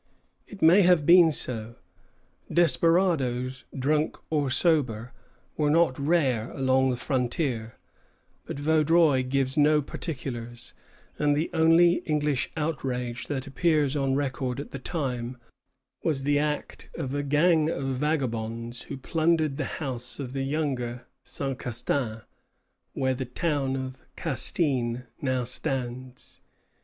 It may have been so: desperadoes, drunk or sober, were not rare along the frontier; but Vaudreuil gives no particulars, and the only English outrage that appears on record at the time was the act of a gang of vagabonds who plundered the house of the younger Saint Castin, where the town of Castine now stands.